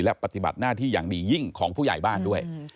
และปฏิบัติหน้าที่อย่างดียิ่งของผู้ใหญ่บ้านด้วย